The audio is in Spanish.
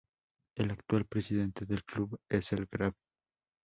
El actual presidente del club es el Grab.